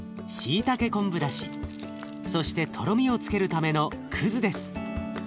しいたけ昆布だしそしてとろみをつけるためのくずです。